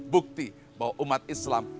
bukti bahwa umat islam